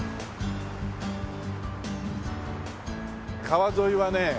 川沿いはね